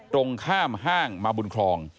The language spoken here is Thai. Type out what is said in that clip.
ตรงข้ามห้างมาบุญคลอง